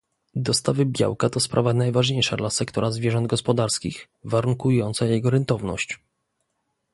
Dostawy białka to sprawa najważniejsza dla sektora zwierząt gospodarskich, warunkująca jego rentowność